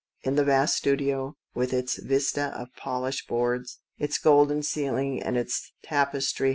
In the vast studio, with its vista of polished boards, its golden ceiling, and its tapestry